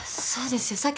そうですよ。